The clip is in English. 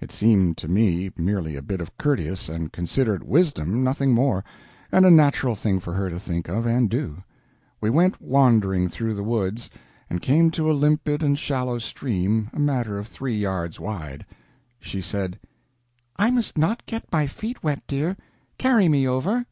It seemed to me merely a bit of courteous and considerate wisdom, nothing more; and a natural thing for her to think of and do. We went wandering through the woods, and came to a limpid and shallow stream a matter of three yards wide. She said: "I must not get my feet wet, dear; carry me over."